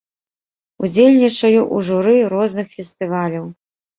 Удзельнічаю ў журы розных фестываляў.